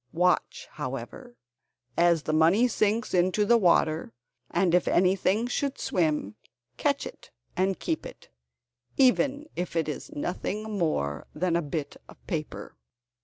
Watch, however, as the money sinks into the water, and if anything should swim, catch it and keep it, even if it is nothing more than a bit of paper."